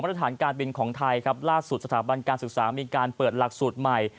ตรฐานการบินของไทยครับล่าสุดสถาบันการศึกษามีการเปิดหลักสูตรใหม่